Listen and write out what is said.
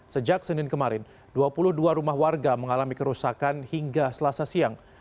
sejak senin kemarin dua puluh dua rumah warga mengalami kerusakan hingga selasa siang